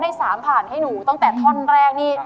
ได้๓ผ่านให้หนูตั้งแต่ท่อนแรกนี่